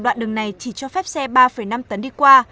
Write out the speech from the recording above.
đoạn đường này chỉ cho phép xe ba năm tấn đi qua